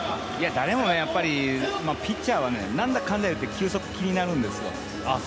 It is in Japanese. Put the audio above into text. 誰もピッチャーはなんだかんだ言って球速気になるんですよ。